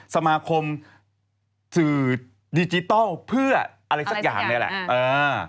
สมาคมสื่อดิจิทัลเพื่ออะไรสักอย่างเนี่ยแหละ